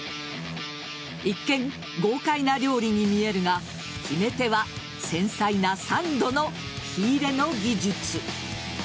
一見、豪快な料理に見えるが決め手は繊細な３度の火入れの技術。